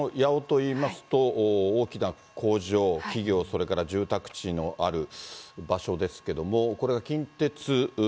大阪の八尾といいますと、大きな工場、企業、それから住宅地のある場所ですけれども、これが近鉄。